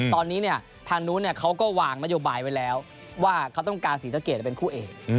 ตอนนี้เนี่ยทางนู้นเขาก็วางนโยบายไว้แล้วว่าเขาต้องการศรีสะเกดเป็นคู่เอก